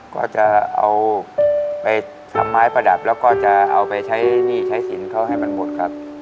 ก็จะเอาไปทำไม้ประดับแล้วก็จะเอาไปใช้หนี้ใช้สินเขาให้มันหมดครับ